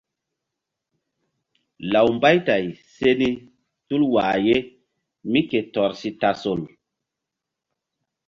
Law Mbaytay se ni tul wah ye mí ke tɔr si tasol.